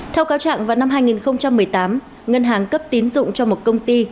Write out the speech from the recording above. theo cáo trạng vào năm hai nghìn một mươi tám ngân hàng cấp tín dụng cho một công ty